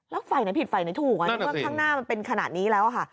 แล้วไฟไหนผิดไฟไหนถูกทางหน้ามันเป็นขนาดนี้แล้วค่ะ